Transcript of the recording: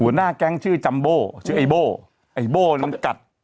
หัวหน้าแก๊งชื่อจัมโบชื่อไอ้โบ้ไอ้โบ้นั้นกัด